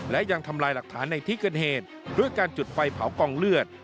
และยังทำลายหลักฐานในที่เกิดเหตุด้วยการจุดไฟเผากองเลือด